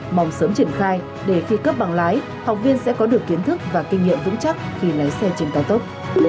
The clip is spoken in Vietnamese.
mong sớm triển khai để khi cấp bằng lái học viên sẽ có được kiến thức và kinh nghiệm vững chắc khi lái xe trên cao tốc